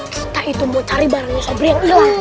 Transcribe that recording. kita itu mau cari barangnya sobri yang ilang